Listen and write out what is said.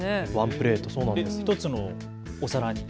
１つのお皿に？